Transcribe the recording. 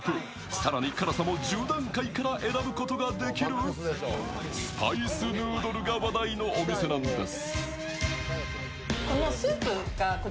更に、辛さも１０段階から選ぶことができるスパイスヌードルが話題のお店なんです。